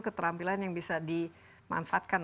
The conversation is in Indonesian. keterampilan yang bisa dimanfaatkan